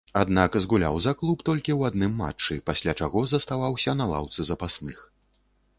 Аднак, згуляў за клуб толькі ў адным матчы, пасля чаго заставаўся на лаўцы запасных.